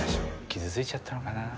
傷ついちゃったのかなあ。